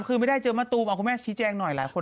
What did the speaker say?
คือไม่ได้เจอมะตูมอ่ะคุณแม่พี่แจ้งหน่อยแหละ